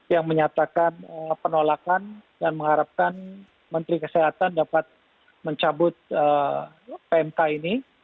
yang menyatakan penolakan dan mengharapkan menteri kesehatan dapat mencabut pmk ini